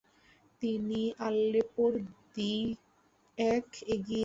তিনি আল্লেপোর দিএক এগিয়ে যান।